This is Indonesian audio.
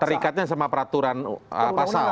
terikatnya sama peraturan pasal